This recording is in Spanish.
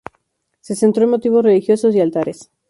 Se centró en motivos religiosos y altares.